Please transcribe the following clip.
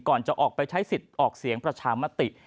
ก่อนจะออกไปใช้สิทธิ์ออกเสียงประชามติ